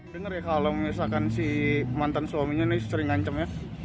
dengar ya kalau misalkan si mantan suaminya ini sering ngancam ya